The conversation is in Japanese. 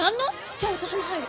じゃあ私も入る！